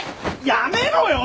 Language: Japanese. やめろよ！